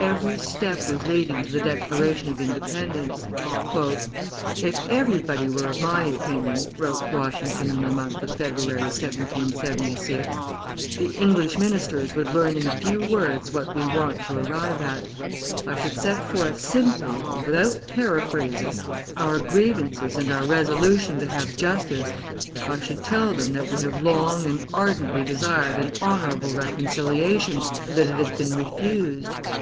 Every step was leading to the declaration of independence. "If everybody were of my opinion," wrote Washington in the month of February, 1776, "the English ministers would learn in few words what we want to arrive at. I should set forth simply, and without periphrasis, our grievances and our resolution to have justice. I should tell them that we have long and ardently desired an honorable reconciliation, and that it has been refused.